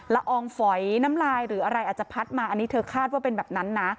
อองฝอยน้ำลายหรืออะไรอาจจะพัดมาอันนี้เธอคาดว่าเป็นแบบนั้นนะ